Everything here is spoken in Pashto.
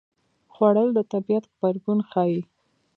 خوړل د طبیعت غبرګون ښيي